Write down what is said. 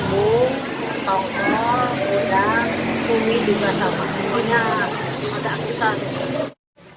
cuminya sudah susah